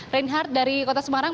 reinhard dari kota semarang